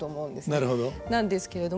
なるほど。